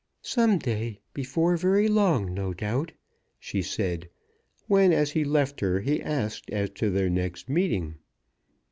"Some day before very long, no doubt," she said when, as he left her, he asked as to their next meeting.